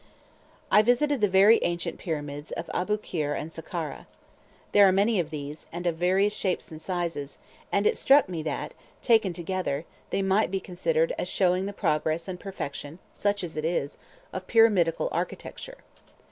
I visited the very ancient Pyramids of Aboukir and Sakkara. There are many of these, and of various shapes and sizes, and it struck me that, taken together, they might be considered as showing the progress and perfection (such as it is) of pyramidical architecture.